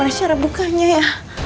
aduh gimana cara bukanya ya